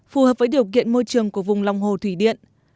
phù hợp với điều kiện môi trường của vùng lòng hồ thủy điện